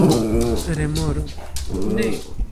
Remoro: "Ne!"